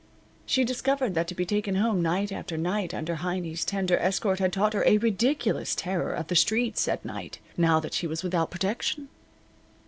She discovered that to be taken home night after night under Heiny's tender escort had taught her a ridiculous terror of the streets at night now that she was without protection.